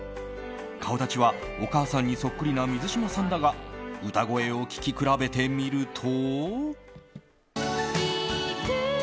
顔立ちはお母さんにそっくりな水嶋さんだが歌声を聴き比べてみると。